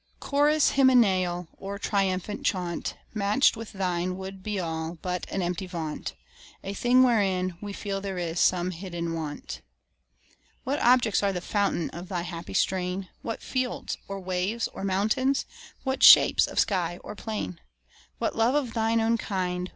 Chorus hymeneal Or triumphal chaunt, Match'd with thine, would be all But an empty vaunt A thing wherein we feel there is some hidden want. What objects are the fountains Of thy happy strain? What fields, or waves, or mountains? What shapes of sky or plain? What love of thine own kind?